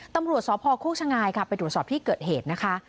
ตำรวจสพโคกชะงายค่ะไปตรวจสอบที่เกิดเหตุนะคะ